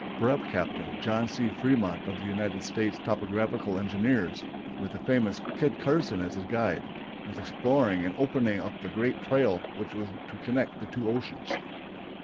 Brev. Capt. John C. Fremont of the United States Topographical Engineers, with the famous Kit Carson as his guide, was exploring and opening up the great trail which was to connect the two oceans.